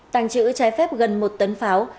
tàng trữ trái phép gần một tấn pháo